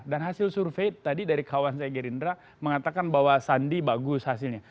dan hasil survei tadi dari kawan saya gerindra mengatakan bahwa sandi bagus hasilnya